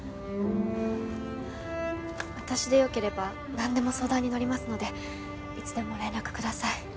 私でよければ何でも相談に乗りますのでいつでも連絡ください